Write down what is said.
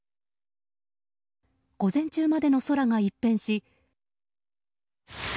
午前中までの空が一変し。